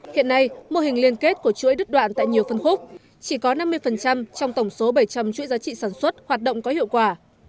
hiện nay mô hình liên kết của chuỗi đứt đoạn tại nhiều phân khúc chỉ có năm mươi trong tổng số bảy trăm linh chuỗi giá trị sản xuất hoạt động có hiệu quả